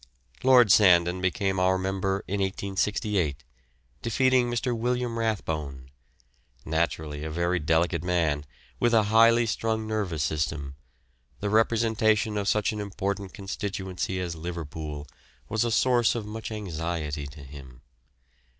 Lord Sandon became our member in 1868, defeating Mr. William Rathbone. Naturally a very delicate man with a highly strung nervous system, the representation of such an important constituency as Liverpool was a source of much anxiety to him.